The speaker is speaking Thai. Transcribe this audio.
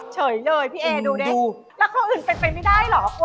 เฉยเลยพี่เอดูดิแล้วข้ออื่นเป็นไปไม่ได้เหรอคุณ